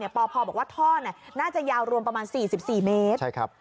ปพบอกว่าท่อน่าจะยาวรวมประมาณ๔๔เมตร